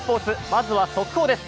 まずは速報です。